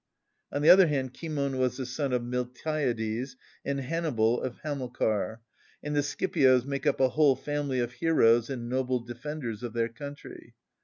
On the other hand, Cimon was the son of Miltiades, and Hannibal of Hamilcar, and the Scipios make up a whole family of heroes and noble defenders of their country.